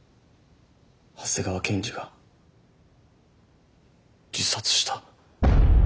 長谷川検事が自殺した。